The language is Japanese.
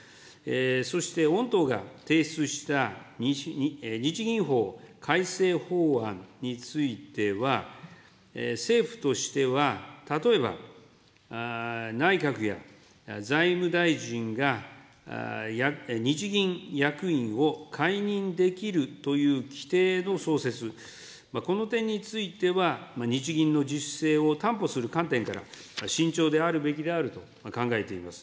そして、御党が提出した日銀法改正法案については、政府としては、例えば、内閣や財務大臣が、日銀役員を解任できるというきていの創設、この点については、日銀の自主性を担保する観点から、慎重であるべきであると考えています。